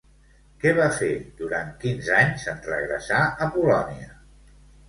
Què va fer durant quinze anys en regressar a Polònia?